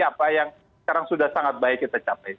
apa yang sekarang sudah sangat baik kita capai